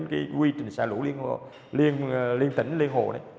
quy trình xả lũ liên tỉnh liên hồ